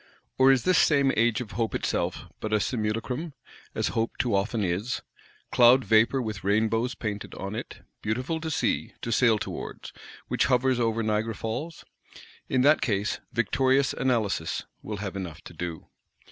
Or is this same Age of Hope itself but a simulacrum; as Hope too often is? Cloud vapour with rainbows painted on it, beautiful to see, to sail towards,—which hovers over Niagara Falls? In that case, victorious Analysis will have enough to do.